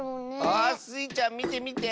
あスイちゃんみてみて。